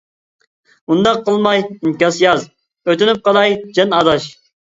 ئۇنداق قىلماي ئىنكاس ياز، ئۆتۈنۈپ قالاي جان ئاداش.